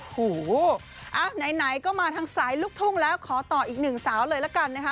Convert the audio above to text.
ไหนก็มาทางสายลูกทุ่งแล้วขอต่ออีกหนึ่งสาวเลยละกันนะคะ